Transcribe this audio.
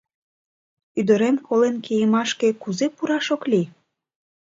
Ӱдырем колен кийымашке кузе пураш ок лий?